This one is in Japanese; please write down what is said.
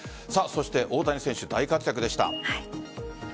そして大谷選手、大活躍でした。